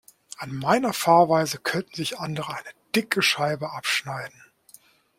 An meiner Fahrweise könnten sich andere eine dicke Scheibe abschneiden.